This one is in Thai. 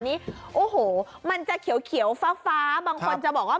นี่โอ้โหมันจะเขียวฟ้าบางคนจะบอกว่า